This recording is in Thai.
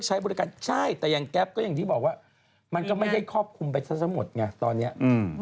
ไม่รู้แถวอื่นเรียกว่ายังไงแต่แถวบ้านผมเรียกเลว